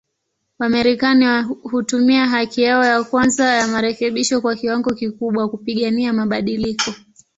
Wamarekani hutumia haki yao ya kwanza ya marekebisho kwa kiwango kikubwa, kupigania mabadiliko.